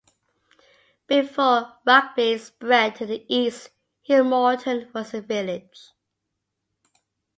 Before Rugby spread to the east, Hillmorton was a village.